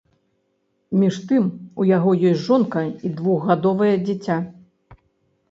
Між тым, у яго ёсць жонка і двухгадовае дзіця.